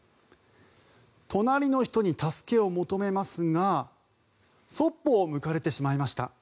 隣の人に助けを求めますがそっぽを向かれてしまいました。